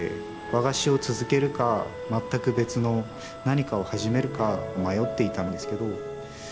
和菓子を続けるか全く別の何かを始めるか迷っていたんですけど。